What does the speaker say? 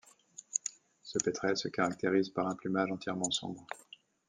Ce pétrel se caractérise par un plumage entièrement sombre.